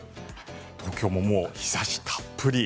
東京ももう日差したっぷり。